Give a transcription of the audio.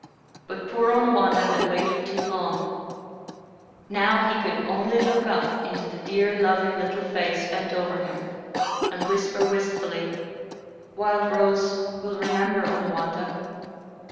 But poor Onawandah had waited too long; now he could only look up into the dear, loving, little face bent over him, and whisper wistfully: "Wild Rose will remember Onawandah?"